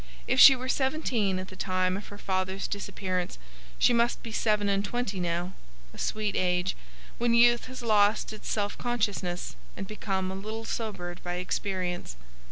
If she were seventeen at the time of her father's disappearance she must be seven and twenty now,—a sweet age, when youth has lost its self consciousness and become a little sobered by experience.